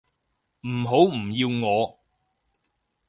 唔好唔要我